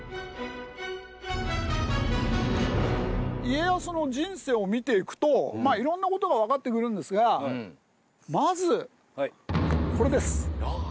家康の人生を見ていくといろんなことが分かってくるんですがまずこれです。